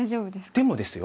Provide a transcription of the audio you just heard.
でもですよ